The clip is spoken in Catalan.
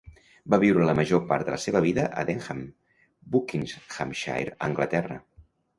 Va viure la major part de la seva vida a Denham, Buckinghamshire, Anglaterra.